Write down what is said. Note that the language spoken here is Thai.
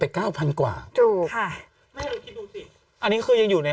กล้องกว้างอย่างเดียว